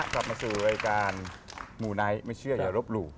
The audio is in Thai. กลับมาสู่รายการมูไนท์ไม่เชื่ออย่าลบหลู่